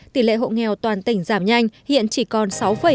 tỷ lệ hộ nghèo toàn tỉnh giảm nhanh hiện chỉ còn sáu một mươi bốn